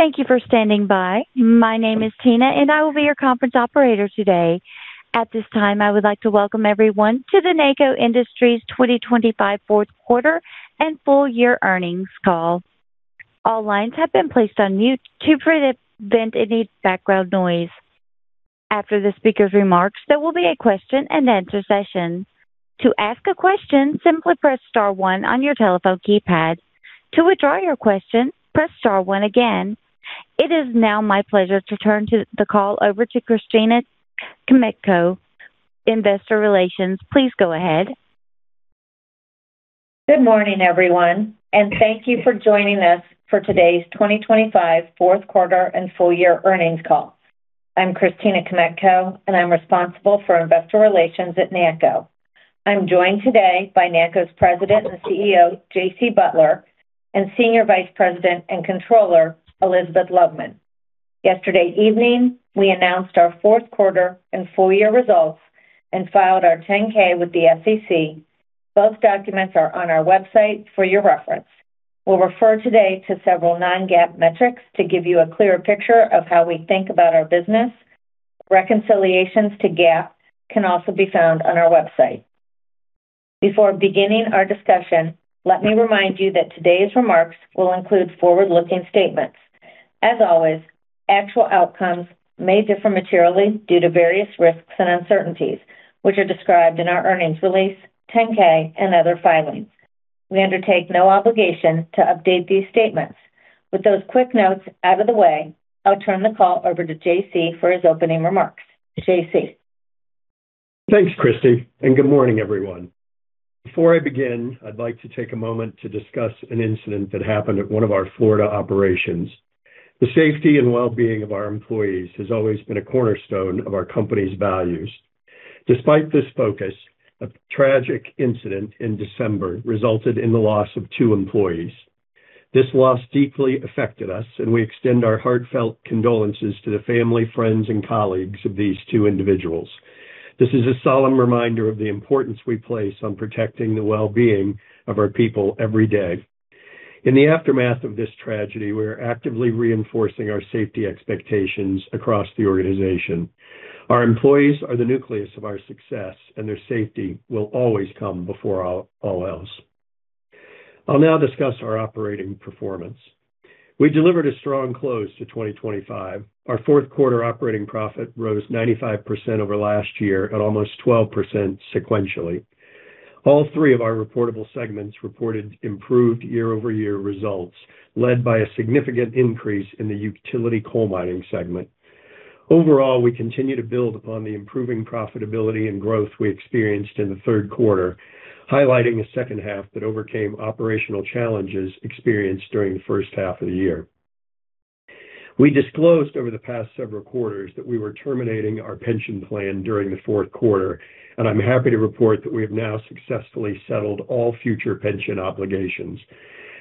Thank you for standing by. My name is Tina, and I will be your conference operator today. At this time, I would like to welcome everyone to the NACCO Industries 2025 fourth quarter and full year Earnings Call. All lines have been placed on mute to prevent any background noise. After the speaker's remarks, there will be a question-and-answer session. To ask a question, simply press star one on your telephone keypad. To withdraw your question, press star one again. It is now my pleasure to turn to the call over to Christina Kmetko, Investor Relations. Please go ahead. Good morning, everyone, and thank you for joining us for today's 2025 fourth quarter and full year Earnings Call. I'm Christina Kmetko, and I'm responsible for investor relations at NACCO. I'm joined today by NACCO's President and CEO, J.C. Butler, and Senior Vice President and Controller, Elizabeth Loveman. Yesterday evening, we announced our fourth quarter and full year results and filed our 10-K with the SEC. Both documents are on our website for your reference. We'll refer today to several non-GAAP metrics to give you a clearer picture of how we think about our business. Reconciliations to GAAP can also be found on our website. Before beginning our discussion, let me remind you that today's remarks will include forward-looking statements. As always, actual outcomes may differ materially due to various risks and uncertainties, which are described in our earnings release, 10-K, and other filings. We undertake no obligation to update these statements. With those quick notes out of the way, I'll turn the call over to J.C. for his opening remarks. J.C. Thanks, Christy. Good morning, everyone. Before I begin, I'd like to take a moment to discuss an incident that happened at one of our Florida operations. The safety and well-being of our employees has always been a cornerstone of our company's values. Despite this focus, a tragic incident in December resulted in the loss of two employees. This loss deeply affected us, and we extend our heartfelt condolences to the family, friends, and colleagues of these two individuals. This is a solemn reminder of the importance we place on protecting the well-being of our people every day. In the aftermath of this tragedy, we are actively reinforcing our safety expectations across the organization. Our employees are the nucleus of our success, and their safety will always come before all else. I'll now discuss our operating performance. We delivered a strong close to 2025. Our fourth quarter operating profit rose 95% over last year at almost 12% sequentially. All three of our reportable segments reported improved year-over-year results, led by a significant increase in the utility coal mining segment. Overall, we continue to build upon the improving profitability and growth we experienced in the third quarter, highlighting a second half that overcame operational challenges experienced during the first half of the year. We disclosed over the past several quarters that we were terminating our pension plan during the fourth quarter, and I'm happy to report that we have now successfully settled all future pension obligations.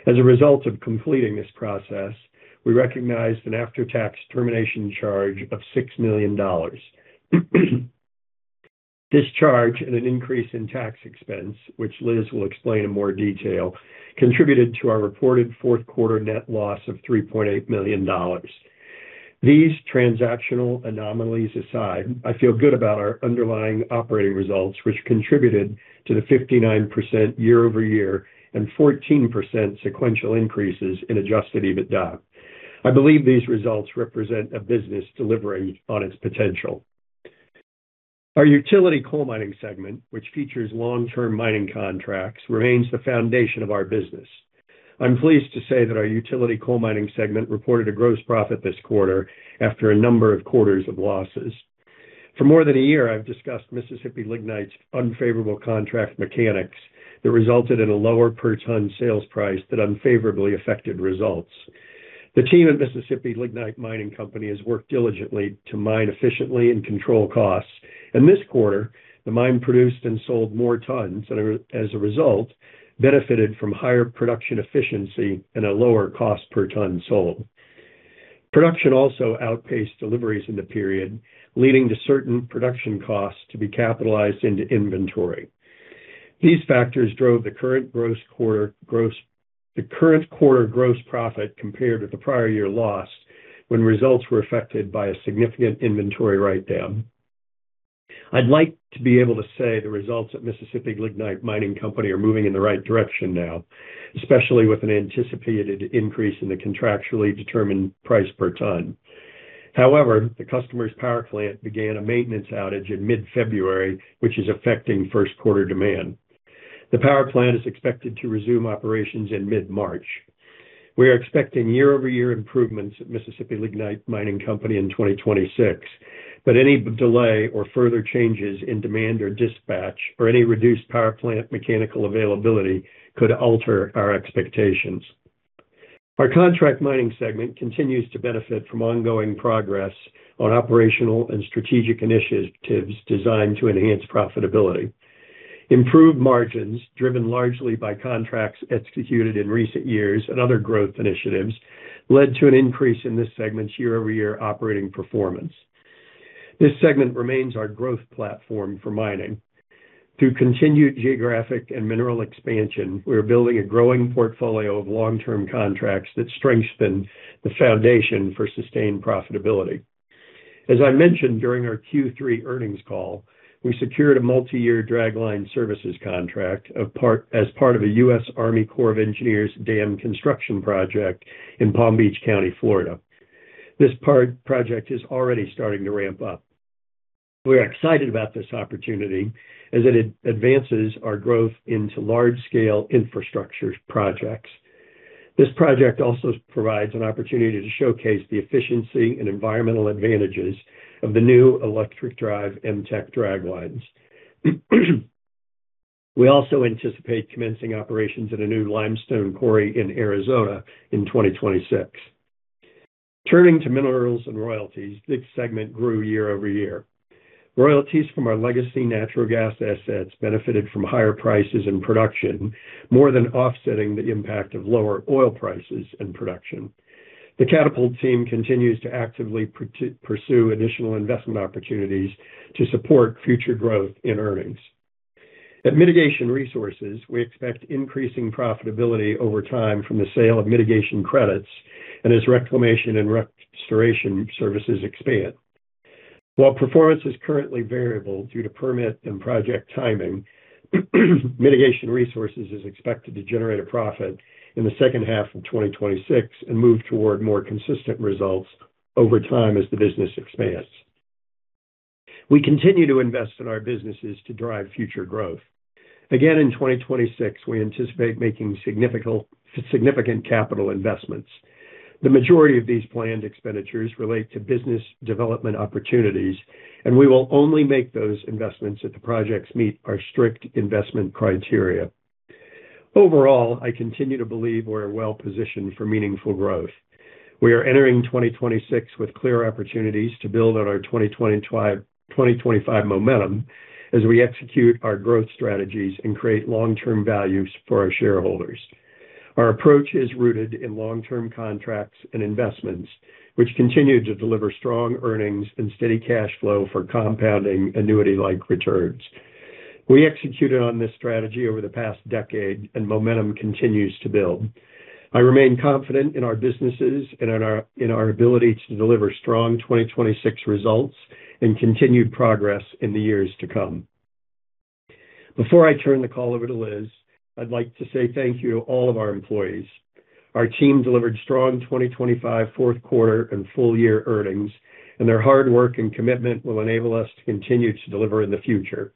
As a result of completing this process, we recognized an after-tax termination charge of $6 million. This charge and an increase in tax expense, which Liz will explain in more detail, contributed to our reported fourth quarter net loss of $3.8 million. These transactional anomalies aside, I feel good about our underlying operating results, which contributed to the 59% year-over-year and 14% sequential increases in Adjusted EBITDA. I believe these results represent a business delivering on its potential. Our utility coal mining segment, which features long-term mining contracts, remains the foundation of our business. I'm pleased to say that our utility coal mining segment reported a gross profit this quarter after a number of quarters of losses. For more than a year, I've discussed Mississippi Lignite's unfavorable contract mechanics that resulted in a lower per ton sales price that unfavorably affected results. The team at Mississippi Lignite Mining Company has worked diligently to mine efficiently and control costs. In this quarter, the mine produced and sold more tons and, as a result, benefited from higher production efficiency and a lower cost per ton sold. Production also outpaced deliveries in the period, leading to certain production costs to be capitalized into inventory. These factors drove the current quarter gross profit compared with the prior year loss when results were affected by a significant inventory write-down. I'd like to be able to say the results at Mississippi Lignite Mining Company are moving in the right direction now, especially with an anticipated increase in the contractually determined price per ton. The customer's power plant began a maintenance outage in mid-February, which is affecting first quarter demand. The power plant is expected to resume operations in mid-March. We are expecting year-over-year improvements at Mississippi Lignite Mining Company in 2026, but any delay or further changes in demand or dispatch or any reduced power plant mechanical availability could alter our expectations. Our contract mining segment continues to benefit from ongoing progress on operational and strategic initiatives designed to enhance profitability. Improved margins, driven largely by contracts executed in recent years and other growth initiatives, led to an increase in this segment's year-over-year operating performance. This segment remains our growth platform for mining. Through continued geographic and mineral expansion, we're building a growing portfolio of long-term contracts that strengthen the foundation for sustained profitability. As I mentioned during our Q3 earnings call, we secured a multi-year dragline services contract as part of a U.S. Army Corps of Engineers dam construction project in Palm Beach County, Florida. This project is already starting to ramp up. We're excited about this opportunity as it advances our growth into large-scale infrastructure projects. This project also provides an opportunity to showcase the efficiency and environmental advantages of the new electric drive MTech draglines. We also anticipate commencing operations at a new limestone quarry in Arizona in 2026. Turning to minerals and royalties, this segment grew year-over-year. Royalties from our legacy natural gas assets benefited from higher prices and production, more than offsetting the impact of lower oil prices and production. The Catapult team continues to actively pursue additional investment opportunities to support future growth in earnings. At Mitigation Resources, we expect increasing profitability over time from the sale of mitigation credits and as reclamation and restoration services expand. While performance is currently variable due to permit and project timing, Mitigation Resources is expected to generate a profit in the second half of 2026 and move toward more consistent results over time as the business expands. We continue to invest in our businesses to drive future growth. Again, in 2026, we anticipate making significant capital investments. The majority of these planned expenditures relate to business development opportunities. We will only make those investments if the projects meet our strict investment criteria. Overall, I continue to believe we're well-positioned for meaningful growth. We are entering 2026 with clear opportunities to build on our 2025 momentum as we execute our growth strategies and create long-term value for our shareholders. Our approach is rooted in long-term contracts and investments, which continue to deliver strong earnings and steady cash flow for compounding annuity-like returns. We executed on this strategy over the past decade. Momentum continues to build. I remain confident in our businesses and in our ability to deliver strong 2026 results and continued progress in the years to come. Before I turn the call over to Liz, I'd like to say thank you to all of our employees. Our team delivered strong 2025 fourth quarter and full year earnings. Their hard work and commitment will enable us to continue to deliver in the future.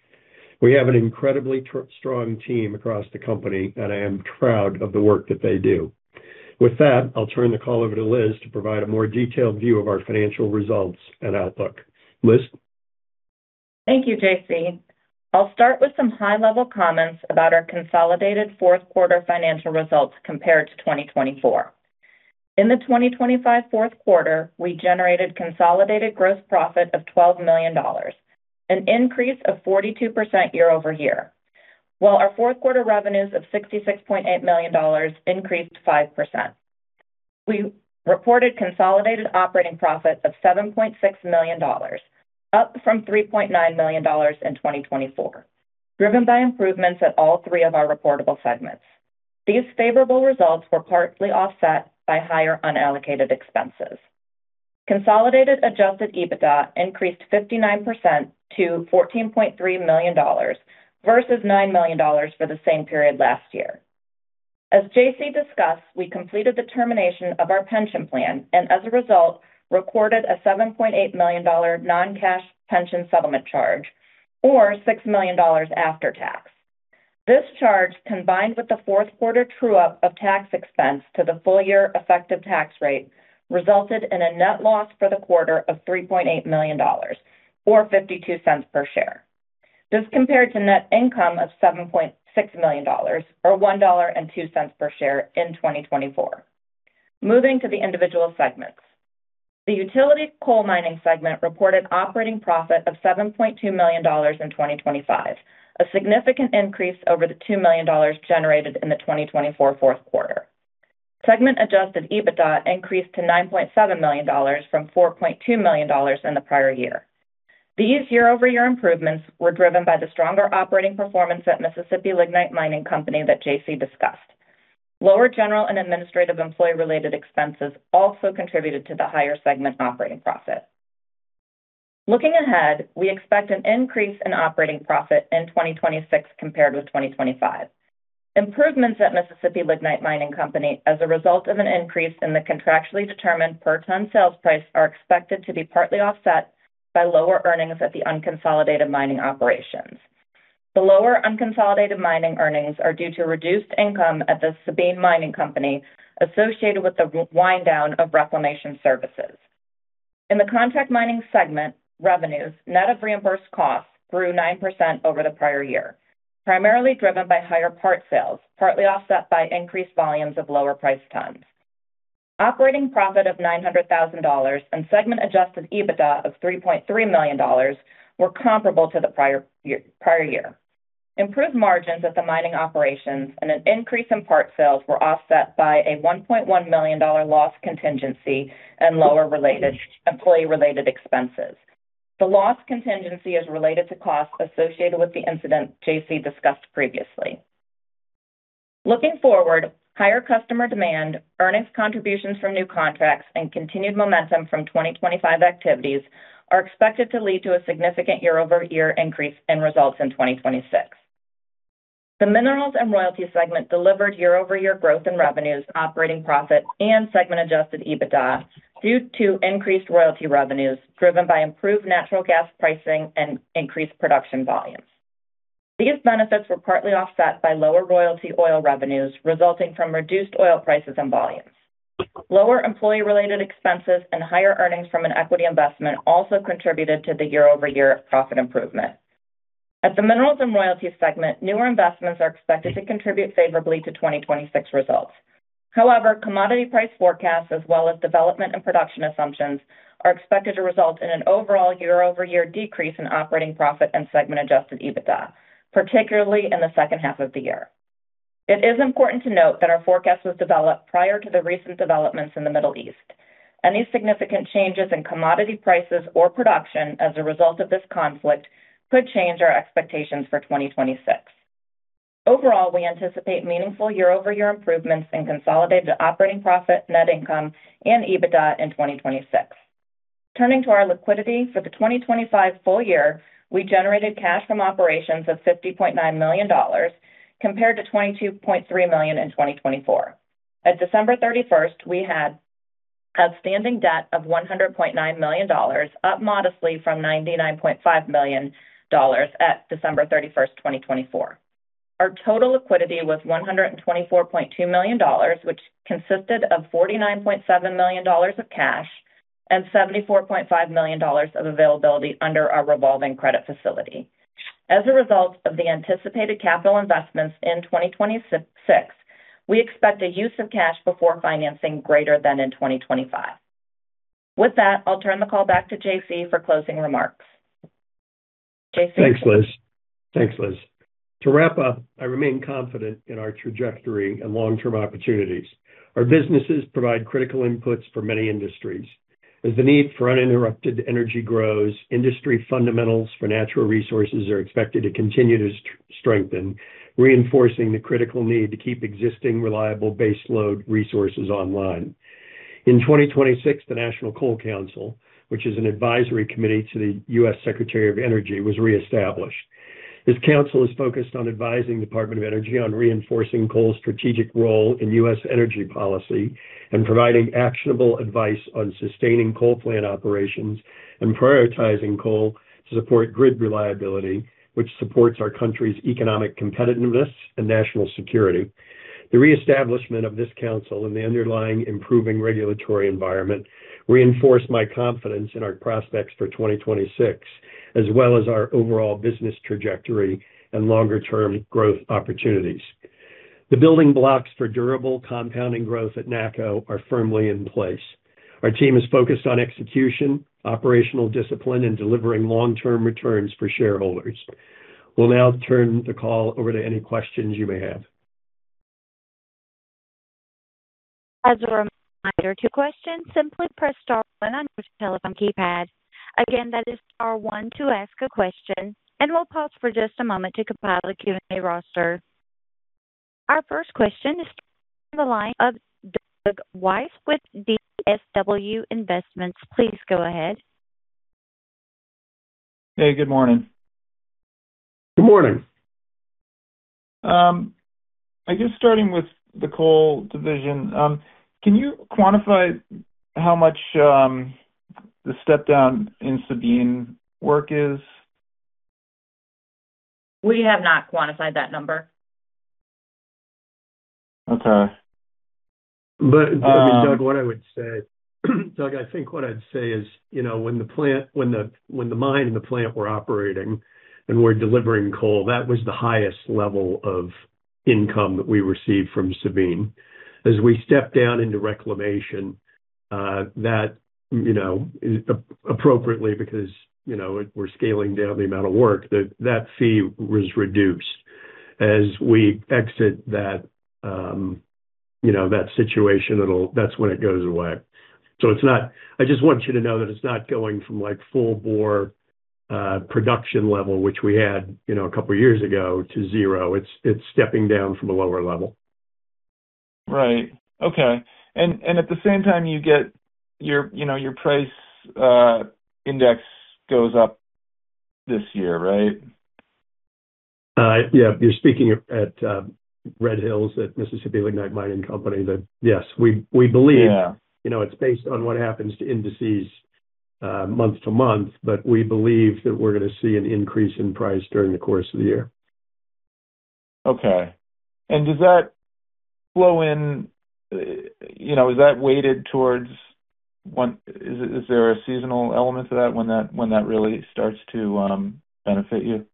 We have an incredibly strong team across the company. I am proud of the work that they do. With that, I'll turn the call over to Liz to provide a more detailed view of our financial results and outlook. Liz? Thank you, J.C. I'll start with some high-level comments about our consolidated fourth quarter financial results compared to 2024. In the 2025 fourth quarter, we generated consolidated gross profit of $12 million, an increase of 42% year-over-year. While our fourth quarter revenues of $66.8 million increased 5%. We reported consolidated operating profit of $7.6 million, up from $3.9 million in 2024, driven by improvements at all three of our reportable segments. These favorable results were partly offset by higher unallocated expenses. Consolidated Adjusted EBITDA increased 59% to $14.3 million versus $9 million for the same period last year. As J.C. Discussed, we completed the termination of our pension plan and as a result, recorded a $7.8 million non-cash pension settlement charge or $6 million after tax. This charge, combined with the fourth quarter true up of tax expense to the full year effective tax rate, resulted in a net loss for the quarter of $3.8 million or $0.52 per share. This compared to net income of $7.6 million or $1.02 per share in 2024. Moving to the individual segments. The utility coal mining segment reported operating profit of $7.2 million in 2025, a significant increase over the $2 million generated in the 2024 fourth quarter. Segment Adjusted EBITDA increased to $9.7 million from $4.2 million in the prior year. These year-over-year improvements were driven by the stronger operating performance at Mississippi Lignite Mining Company that J.C. discussed. Lower general and administrative employee-related expenses also contributed to the higher segment operating profit. Looking ahead, we expect an increase in operating profit in 2026 compared with 2025. Improvements at Mississippi Lignite Mining Company as a result of an increase in the contractually determined per ton sales price are expected to be partly offset by lower earnings at the unconsolidated mining operations. The lower unconsolidated mining earnings are due to reduced income at Sabine Mining Company associated with the wind down of reclamation services. In the contract mining segment, revenues, net of reimbursed costs, grew 9% over the prior year, primarily driven by higher part sales, partly offset by increased volumes of lower price tons. Operating profit of $900,000 and segment Adjusted EBITDA of $3.3 million were comparable to the prior year. Improved margins at the mining operations and an increase in part sales were offset by a $1.1 million loss contingency and lower employee-related expenses. The loss contingency is related to costs associated with the incident J.C. discussed previously. Looking forward, higher customer demand, earnings contributions from new contracts, and continued momentum from 2025 activities are expected to lead to a significant year-over-year increase in results in 2026. The minerals and royalty segment delivered year-over-year growth in revenues, operating profit and segment Adjusted EBITDA due to increased royalty revenues driven by improved natural gas pricing and increased production volumes. These benefits were partly offset by lower royalty oil revenues resulting from reduced oil prices and volumes. Lower employee-related expenses and higher earnings from an equity investment also contributed to the year-over-year profit improvement. At the minerals and royalties segment, newer investments are expected to contribute favorably to 2026 results. Commodity price forecasts as well as development and production assumptions are expected to result in an overall year-over-year decrease in operating profit and segment Adjusted EBITDA, particularly in the second half of the year. It is important to note that our forecast was developed prior to the recent developments in the Middle East. Any significant changes in commodity prices or production as a result of this conflict could change our expectations for 2026. We anticipate meaningful year-over-year improvements in consolidated operating profit, net income and EBITDA in 2026. Turning to our liquidity. For the 2025 full year, we generated cash from operations of $50.9 million, compared to $22.3 million in 2024. At December 31st, we had outstanding debt of $100.9 million, up modestly from $99.5 million at December 31st, 2024. Our total liquidity was $124.2 million, which consisted of $49.7 million of cash and $74.5 million of availability under our revolving credit facility. As a result of the anticipated capital investments in 2026, we expect a use of cash before financing greater than in 2025. With that, I'll turn the call back to J.C. for closing remarks. J.C.? Thanks, Liz. To wrap up, I remain confident in our trajectory and long-term opportunities. Our businesses provide critical inputs for many industries. As the need for uninterrupted energy grows, industry fundamentals for natural resources are expected to continue to strengthen, reinforcing the critical need to keep existing, reliable baseload resources online. In 2026, the National Coal Council, which is an advisory committee to the U.S. Secretary of Energy, was reestablished. This council is focused on advising Department of Energy on reinforcing coal's strategic role in U.S. energy policy and providing actionable advice on sustaining coal plant operations and prioritizing coal to support grid reliability, which supports our country's economic competitiveness and national security. The reestablishment of this council and the underlying improving regulatory environment reinforce my confidence in our prospects for 2026, as well as our overall business trajectory and longer-term growth opportunities. The building blocks for durable compounding growth at NACCO are firmly in place. Our team is focused on execution, operational discipline and delivering long-term returns for shareholders. We'll now turn the call over to any questions you may have. As a reminder, to question, simply press star one on your telephone keypad. Again, that is star one to ask a question. We'll pause for just a moment to compile a Q&A roster. Our first question is from the line of Doug Weiss with DSW Investments. Please go ahead. Hey, good morning. Good morning. I guess starting with the coal division, can you quantify how much the step down in Sabine work is? We have not quantified that number. Okay. I mean, Doug, what I would say Doug, I think what I'd say is, you know, when the mine and the plant were operating and we're delivering coal, that was the highest level of income that we received from Sabine. As we step down into reclamation, you know, appropriately because, you know, we're scaling down the amount of work, that fee was reduced. As we exit that, you know, that situation, that's when it goes away. It's not. I just want you to know that it's not going from, like, full bore production level, which we had, you know, a couple years ago to zero. It's stepping down from a lower level. Right. Okay. At the same time you get your, you know, your price index goes up this year, right? Yeah. You're speaking at Red Hills at Mississippi Lignite Mining Company. Yes. We believe. Yeah. You know, it's based on what happens to indices, month to month, but we believe that we're gonna see an increase in price during the course of the year. Okay. Does that flow in, you know, is there a seasonal element to that when that really starts to benefit you?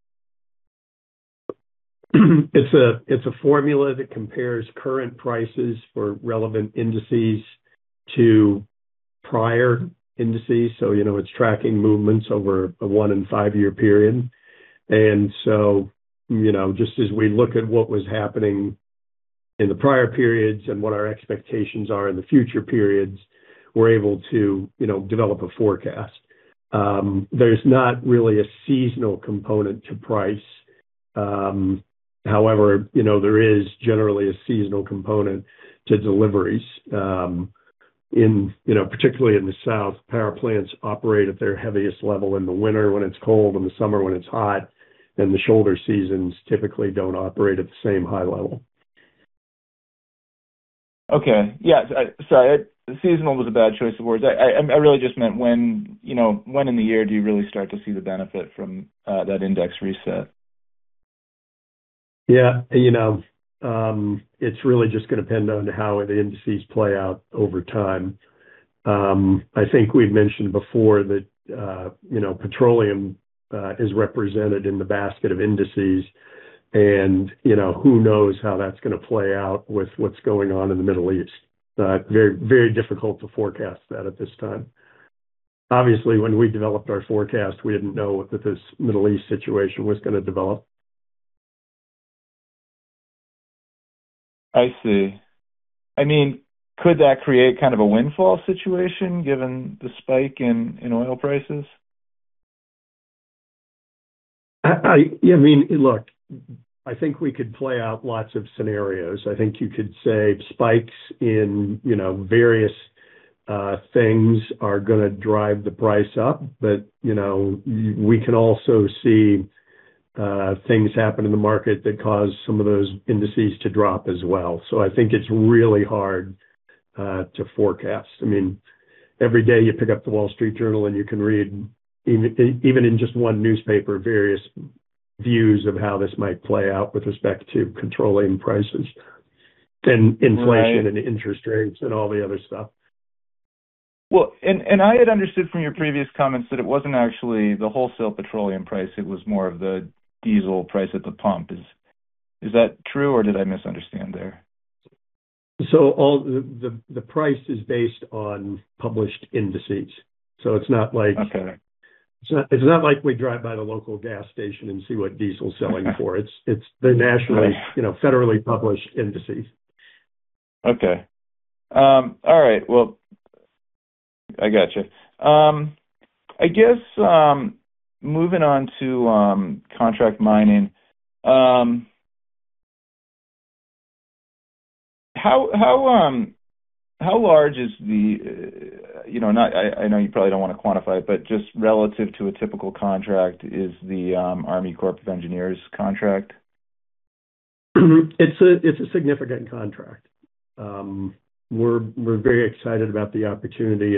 It's a formula that compares current prices for relevant indices to prior indices. You know, it's tracking movements over a one and five-year period. You know, just as we look at what was happening in the prior periods and what our expectations are in the future periods, we're able to, you know, develop a forecast. There's not really a seasonal component to price. However, you know, there is generally a seasonal component to deliveries, in, you know, particularly in the South, power plants operate at their heaviest level in the winter when it's cold, in the summer when it's hot, and the shoulder seasons typically don't operate at the same high level. Okay. Yeah. Sorry, seasonal was a bad choice of words. I really just meant when, you know, when in the year do you really start to see the benefit from that index reset? You know, it's really just gonna depend on how the indices play out over time. I think we've mentioned before that, you know, petroleum is represented in the basket of indices and, you know, who knows how that's gonna play out with what's going on in the Middle East. Very, very difficult to forecast that at this time. Obviously, when we developed our forecast, we didn't know that this Middle East situation was gonna develop. I see. I mean, could that create kind of a windfall situation given the spike in oil prices? Yeah. I mean, look, I think we could play out lots of scenarios. I think you could say spikes in, you know, various things are gonna drive the price up. You know, we can also see things happen in the market that cause some of those indices to drop as well. I think it's really hard to forecast. I mean, every day you pick up The Wall Street Journal, you can read even in just one newspaper, various views of how this might play out with respect to controlling prices and inflation. Right. Interest rates and all the other stuff. Well, I had understood from your previous comments that it wasn't actually the wholesale petroleum price, it was more of the diesel price at the pump. Is that true, or did I misunderstand there? All the price is based on published indices. It's not. Okay. It's not like we drive by the local gas station and see what diesel is selling for. It's the. Right. You know, federally published indices. Okay. All right. Well, I got you. I guess, moving on to contract mining, how large is the, you know, I know you probably don't wanna quantify it, but just relative to a typical contract is the Army Corps of Engineers contract? It's a significant contract. We're very excited about the opportunity.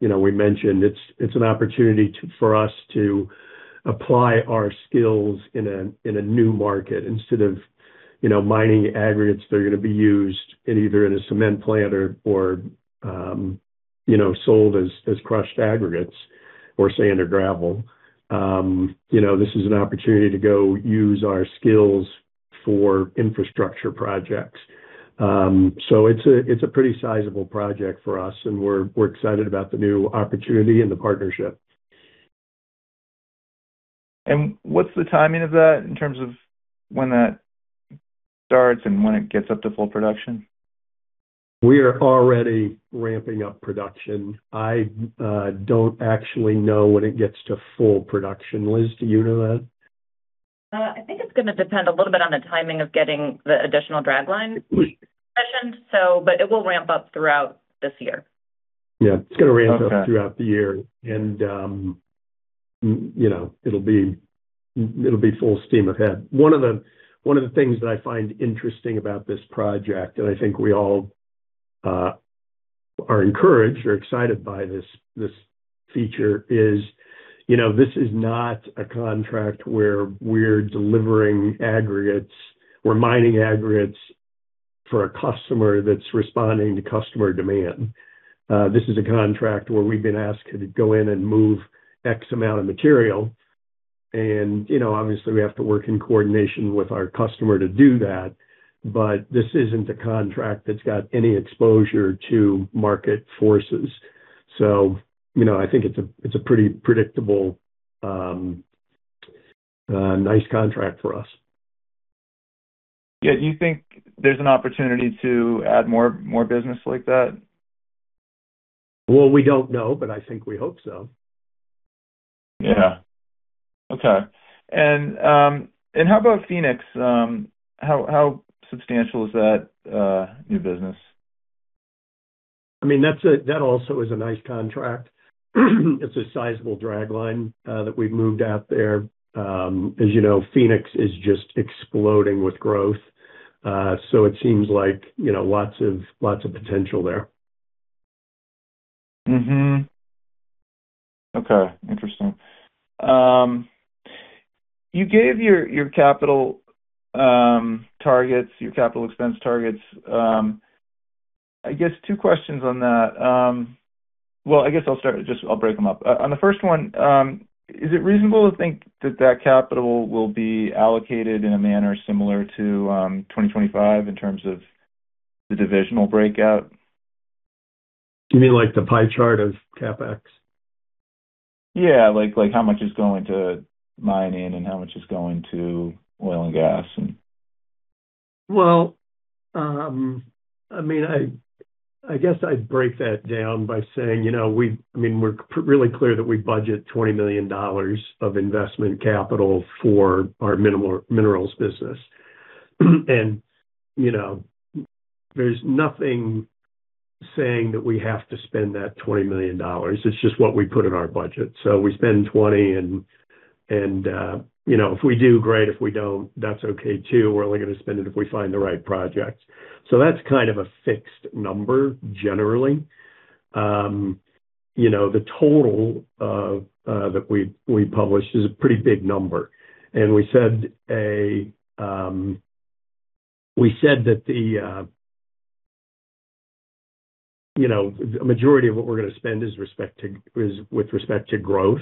You know, we mentioned, it's an opportunity for us to apply our skills in a new market instead of, you know, mining aggregates that are gonna be used in either in a cement plant or, you know, sold as crushed aggregates or sand or gravel. You know, this is an opportunity to go use our skills for infrastructure projects. It's a pretty sizable project for us, and we're excited about the new opportunity and the partnership. What's the timing of that in terms of when that starts and when it gets up to full production? We are already ramping up production. I don't actually know when it gets to full production. Liz, do you know that? I think it's gonna depend a little bit on the timing of getting the additional dragline sessions. It will ramp up throughout this year. Yeah. It's gonna ramp up. Okay. Throughout the year. You know, it'll be, it'll be full steam ahead. One of the, one of the things that I find interesting about this project, and I think we all are encouraged or excited by this feature is, you know, this is not a contract where we're delivering aggregates, we're mining aggregates for a customer that's responding to customer demand. This is a contract where we've been asked to go in and move X amount of material and, you know, obviously, we have to work in coordination with our customer to do that. This isn't a contract that's got any exposure to market forces. You know, I think it's a, it's a pretty predictable, nice contract for us. Yeah. Do you think there's an opportunity to add more business like that? Well, we don't know, but I think we hope so. Yeah. Okay. How about Phoenix? How substantial is that new business? I mean, that also is a nice contract. It's a sizable dragline that we've moved out there. As you know, Phoenix is just exploding with growth. It seems like, you know, lots of, lots of potential there. Okay. Interesting. You gave your capital targets, your capital expense targets. I guess two questions on that. Well, I'll break them up. On the first one, is it reasonable to think that that capital will be allocated in a manner similar to 2025 in terms of the divisional breakout? You mean, like, the pie chart of CapEx? Yeah. Like, how much is going to mining and how much is going to oil and gas and. Well, I mean, I guess I'd break that down by saying, you know, I mean, we're really clear that we budget $20 million of investment capital for our minerals business. You know, there's nothing saying that we have to spend that $20 million. It's just what we put in our budget. We spend 20 and, you know, if we do, great. If we don't, that's okay too. We're only gonna spend it if we find the right projects. That's kind of a fixed number, generally. You know, the total that we publish is a pretty big number. We said a, we said that the, you know, the majority of what we're gonna spend is with respect to growth.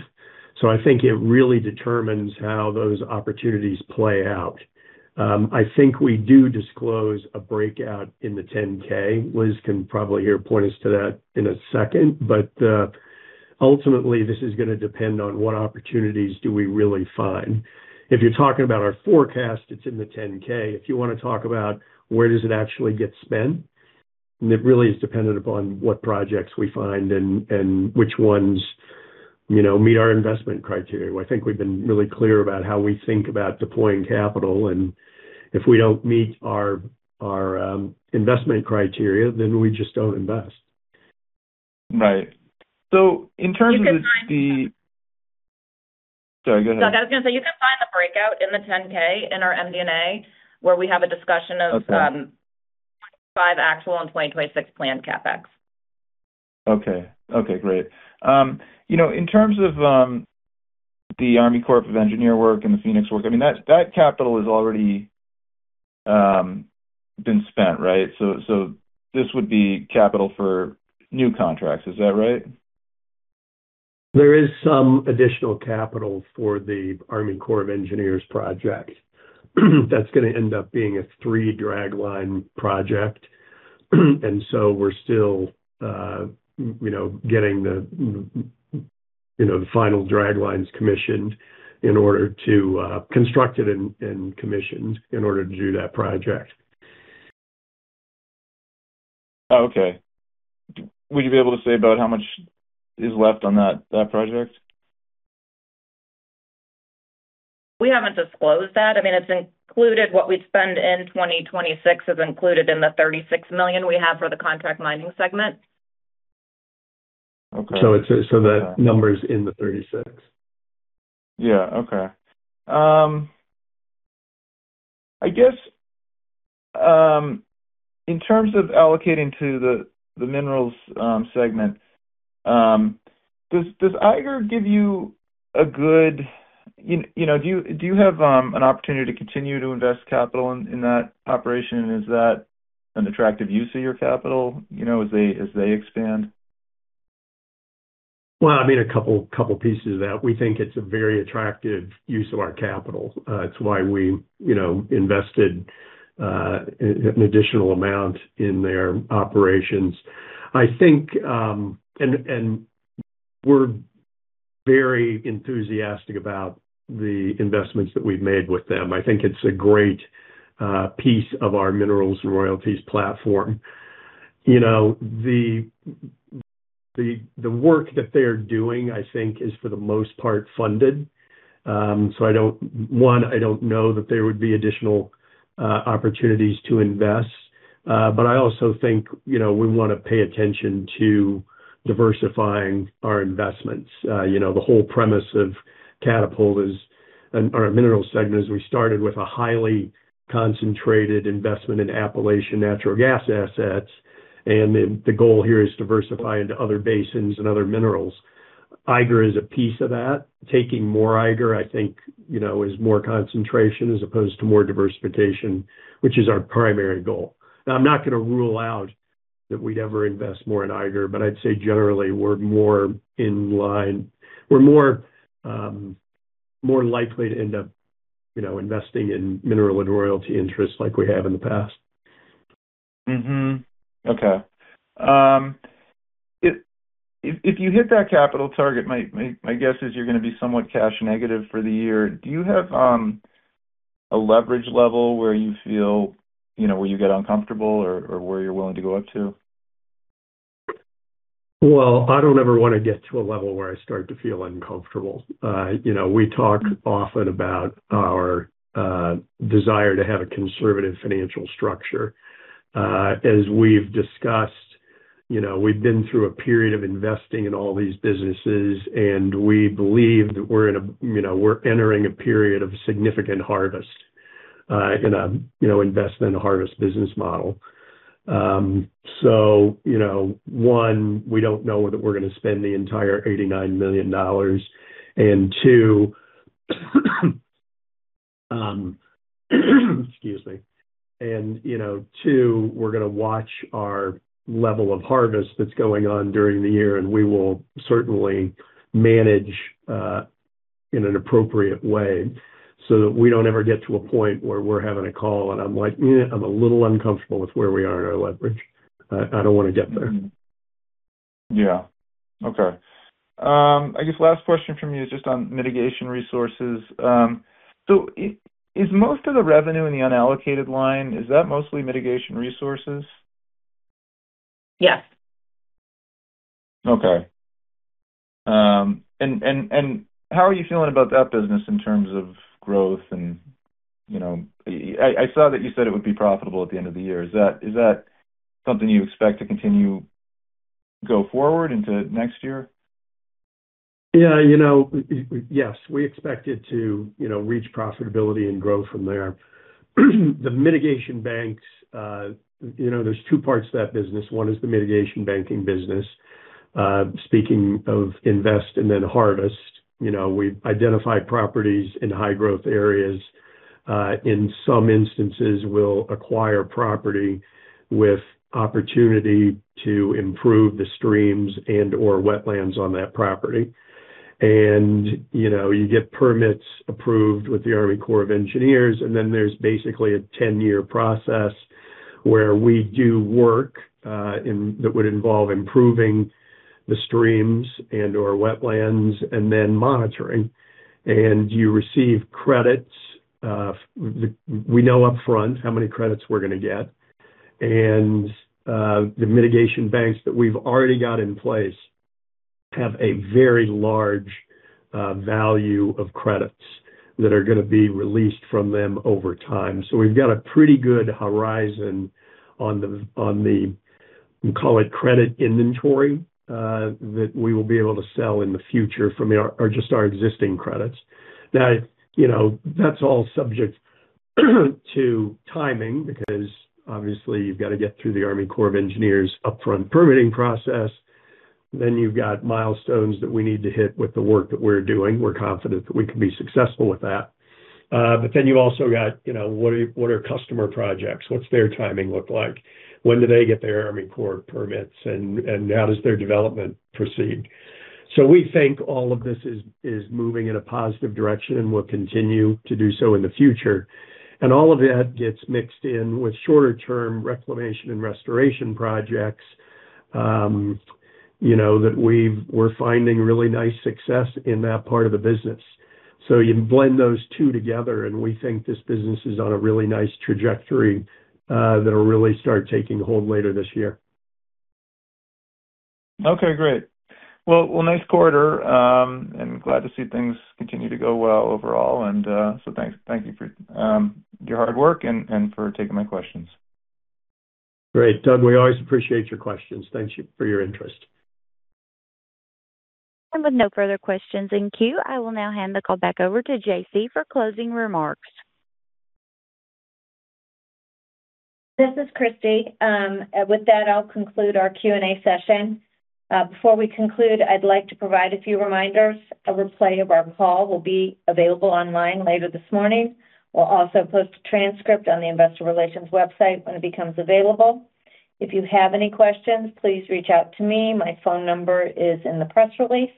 I think it really determines how those opportunities play out. I think we do disclose a breakout in the Form 10-K. Liz can probably here point us to that in a second. Ultimately, this is gonna depend on what opportunities do we really find. If you're talking about our forecast, it's in the Form 10-K. If you wanna talk about where does it actually get spent, it really is dependent upon what projects we find and which ones, you know, meet our investment criteria. I think we've been really clear about how we think about deploying capital. If we don't meet our investment criteria, then we just don't invest. Right. in terms of You can find the- Sorry, go ahead. Doug, I was gonna say, you can find the breakout in the 10-K in our MD&A, where we have a discussion of- Okay. 2025 actual and 2026 planned CapEx. Okay. Okay, great. you know, in terms of, the U.S. Army Corps of Engineers work and the Phoenix work, I mean, that capital is already been spent, right? This would be capital for new contracts. Is that right? There is some additional capital for the Army Corps of Engineers project that's gonna end up being a three-dragline project. We're still, you know, getting the, you know, the final draglines commissioned in order to construct it and commissioned in order to do that project. Oh, okay. Would you be able to say about how much is left on that project? We haven't disclosed that. I mean, it's included what we'd spend in 2026 is included in the $36 million we have for the contract mining segment. Okay. That number is in the 36. Yeah. Okay. I guess, in terms of allocating to the minerals segment, you know, do you have an opportunity to continue to invest capital in that operation? Is that an attractive use of your capital, you know, as they expand? Well, I mean, a couple pieces of that. We think it's a very attractive use of our capital. It's why we, you know, invested an additional amount in their operations. I think. We're very enthusiastic about the investments that we've made with them. I think it's a great piece of our minerals and royalties platform. You know, the work that they are doing, I think, is for the most part funded. I don't know that there would be additional opportunities to invest. I also think, you know, we wanna pay attention to diversifying our investments. You know, the whole premise of Catapult is, or our minerals segment is we started with a highly concentrated investment in Appalachian natural gas assets, and the goal here is diversify into other basins and other minerals. Eiger is a piece of that. Taking more Eiger, I think, you know, is more concentration as opposed to more diversification, which is our primary goal. Now, I'm not gonna rule out that we'd ever invest more in Eiger, but I'd say generally, we're more likely to end up, you know, investing in mineral and royalty interests like we have in the past. Okay. If you hit that capital target, my guess is you're gonna be somewhat cash negative for the year. Do you have a leverage level where you feel, you know, where you get uncomfortable or where you're willing to go up to? Well, I don't ever wanna get to a level where I start to feel uncomfortable. You know, we talk often about our desire to have a conservative financial structure. As we've discussed, you know, we've been through a period of investing in all these businesses, and we believe that we're in a, you know, we're entering a period of significant harvest, in a, you know, invest in a harvest business model. You know, one, we don't know whether we're gonna spend the entire $89 million. Two, excuse me. You know, two, we're gonna watch our level of harvest that's going on during the year, and we will certainly manage in an appropriate way so that we don't ever get to a point where we're having a call and I'm like, "Eh, I'm a little uncomfortable with where we are in our leverage." I don't wanna get there. Yeah. Okay. I guess last question for me is just on Mitigation Resources. Is most of the revenue in the unallocated line, is that mostly Mitigation Resources? Yes. Okay. How are you feeling about that business in terms of growth and, you know, I saw that you said it would be profitable at the end of the year. Is that something you expect to continue go forward into next year? Yeah, you know, yes. We expect it to, you know, reach profitability and grow from there. The mitigation banks, you know, there's two parts to that business. One is the mitigation banking business, speaking of invest and then harvest. You know, we identify properties in high-growth areas. In some instances we'll acquire property with opportunity to improve the streams and/or wetlands on that property. You know, you get permits approved with the U.S. Army Corps of Engineers, and then there's basically a 10-year process where we do work that would involve improving the streams and/or wetlands and then monitoring. You receive credits. We know upfront how many credits we're gonna get. The mitigation banks that we've already got in place have a very large value of credits that are gonna be released from them over time. We've got a pretty good horizon on the, call it credit inventory, that we will be able to sell in the future or just our existing credits. You know, that's all subject to timing because obviously you've gotta get through the U.S. Army Corps of Engineers' upfront permitting process. You've got milestones that we need to hit with the work that we're doing. We're confident that we can be successful with that. You've also got, you know, what are customer projects? What's their timing look like? When do they get their U.S. Army Corps permits, and how does their development proceed? We think all of this is moving in a positive direction and will continue to do so in the future. All of that gets mixed in with shorter-term reclamation and restoration projects, you know, that we're finding really nice success in that part of the business. You blend those two together, and we think this business is on a really nice trajectory, that'll really start taking hold later this year. Okay, great. Well, nice quarter, and glad to see things continue to go well overall. Thanks. Thank you for your hard work and for taking my questions. Great. Doug, we always appreciate your questions. Thank you for your interest. With no further questions in queue, I will now hand the call back over to J.C. for closing remarks. This is Christy. With that, I'll conclude our Q&A session. Before we conclude, I'd like to provide a few reminders. A replay of our call will be available online later this morning. We'll also post a transcript on the investor relations website when it becomes available. If you have any questions, please reach out to me. My phone number is in the press release.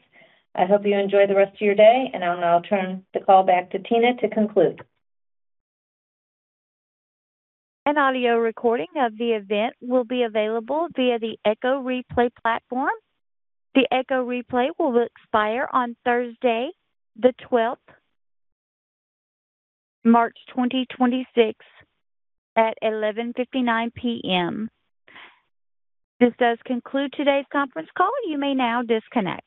I hope you enjoy the rest of your day, and I'll now turn the call back to Tina to conclude. An audio recording of the event will be available via the Echo Replay platform. The Echo Replay will expire on Thursday, the 12th, March 2026 at 11:59 P.M. This does conclude today's conference call. You may now disconnect.